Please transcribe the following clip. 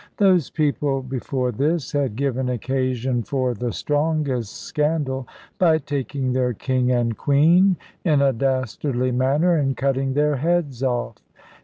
Those people before this had given occasion for the strongest scandal, by taking their King and Queen in a dastardly manner, and cutting their heads off.